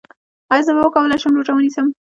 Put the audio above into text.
ایا زه به وکولی شم روژه ونیسم؟